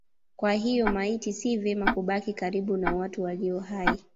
Kwa hiyo maiti si vema kubaki karibu na watu walio hai.